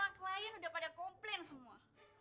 sedangkan semua klien udah pada komplain semua